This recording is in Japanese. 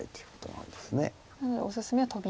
なのでおすすめはトビ。